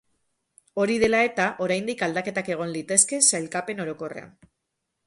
Hori dela eta, oraindik aldaketak egon litezke sailkapen orokorrean.